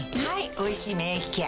「おいしい免疫ケア」